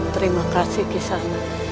terima kasih kisanak